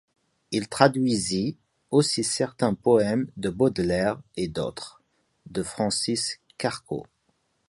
Il traduisit aussi certains poèmes de Baudelaire et d'autres, de Francis Carco.